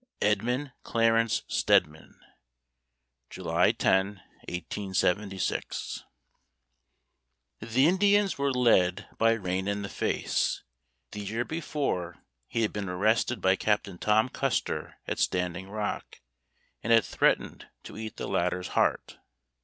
EDMUND CLARENCE STEDMAN. July 10, 1876. The Indians were led by Rain in the Face. The year before, he had been arrested by Captain Tom Custer at Standing Rock, and had threatened to eat the latter's heart.